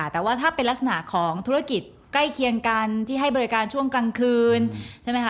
แต่ว่าถ้าเป็นลักษณะของธุรกิจใกล้เคียงกันที่ให้บริการช่วงกลางคืนใช่ไหมคะ